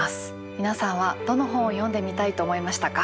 皆さんはどの本を読んでみたいと思いましたか？